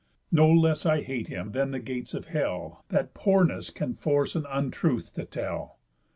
No less I hate him than the gates of hell, That poorness can force an untruth to tell.